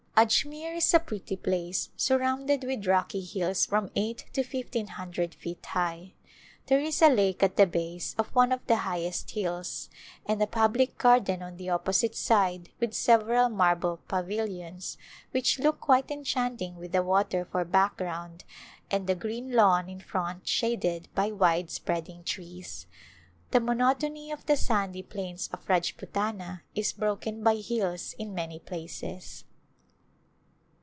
Ajmere is a pretty place surrounded with rocky hills from eight to fifteen hundred feet high. There is a lake at the base of one of the highest hills and a public garden on the opposite side with several marble Retiu^n to India pavilions which look quite enchanting with the water for background and the green lawn in front shaded by wide spreading trees. The monotony of the sandy plains of Rajputana is broken by hills in many places.